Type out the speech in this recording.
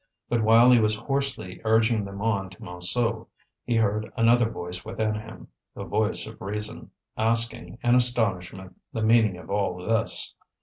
But while he was hoarsely urging them on to Montsou, he heard another voice within him, the voice of reason, asking, in astonishment, the meaning of all this.